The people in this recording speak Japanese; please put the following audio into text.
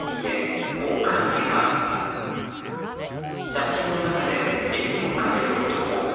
写真の中で笑みを浮かべる男。